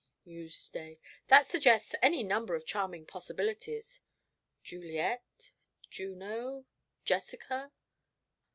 mused Dave; 'that suggests any number of charming personalities Juliet, Juno, Jessica.'